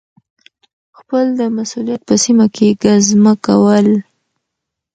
خپل د مسؤلیت په سیمه کي ګزمه کول